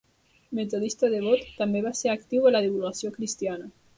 Metodista devot, també va ser actiu en la divulgació cristiana.